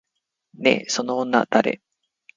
ねえ、その女誰？